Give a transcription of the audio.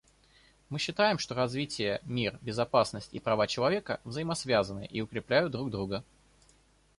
Мы считаем, что развитие, мир, безопасность и права человека взаимосвязаны и укрепляют друг друга.